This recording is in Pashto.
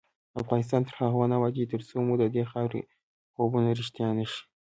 افغانستان تر هغو نه ابادیږي، ترڅو مو ددې خاورې خوبونه رښتیا نشي.